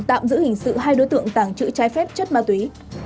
tạm giữ hình sự hai đối tượng tàng trữ trái phép chất ma túy